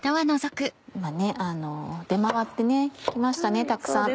今出回って来ましたねたくさん。